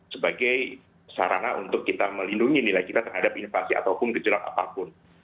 sebagai sarana untuk kita melindungi nilai kita terhadap inflasi ataupun gejelak apapun